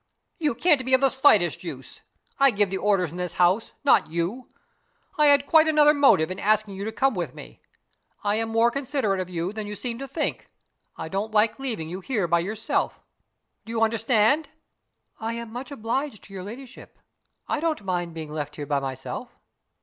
"You can't be of the slightest use. I give the orders in this house not you. I had quite another motive in asking you to come with me. I am more considerate of you than you seem to think I don't like leaving you here by yourself. Do you understand? "I am much obliged to your ladyship. I don't mind being left here by myself."